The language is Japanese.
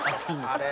あれ？